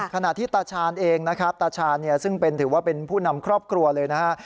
ขณะที่ตาชาญเองนะครับตาชาญเนี่ยซึ่งถือว่าเป็นผู้นำครอบครัวเลยนะฮะ